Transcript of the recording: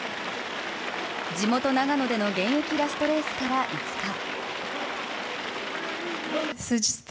地元・長野での現役ラストレースから５日。